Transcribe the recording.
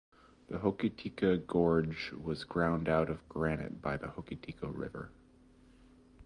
The Hokitika Gorge was ground out of granite by the Hokitika River.